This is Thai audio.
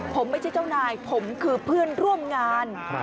ผมไม่ใช่เจ้านายผมคือเพื่อนร่วมงาน